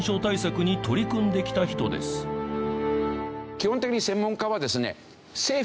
基本的に専門家はですね。